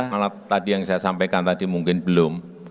malah tadi yang saya sampaikan tadi mungkin belum